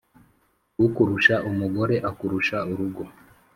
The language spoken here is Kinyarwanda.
ukurusha umugore akurusha urugo